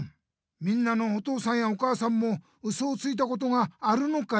みんなのお父さんやお母さんもウソをついたことがあるのかい？